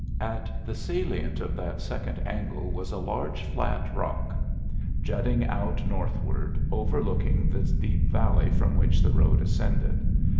At the salient of that second angle was a large flat rock, jutting out northward, overlooking the deep valley from which the road ascended.